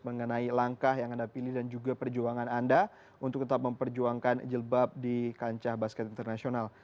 mengenai langkah yang anda pilih dan juga perjuangan anda untuk tetap memperjuangkan jilbab di kancah basket internasional